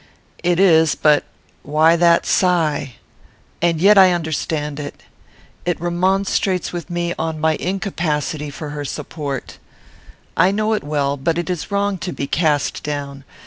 "It is; but why that sigh? And yet I understand it. It remonstrates with me on my incapacity for her support. I know it well, but it is wrong to be cast down.